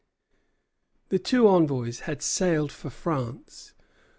The two envoys had sailed for France.